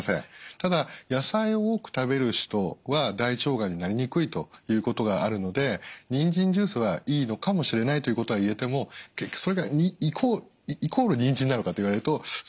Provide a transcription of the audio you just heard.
ただ野菜を多く食べる人は大腸がんになりにくいということがあるのでにんじんジュースはいいのかもしれないということは言えても結局それがイコールにんじんなのかと言われるとそれは分かりません。